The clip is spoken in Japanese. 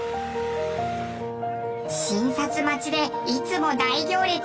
診察待ちでいつも大行列。